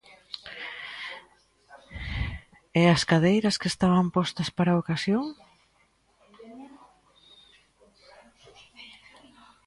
¿E as cadeiras que estaban postas para a ocasión?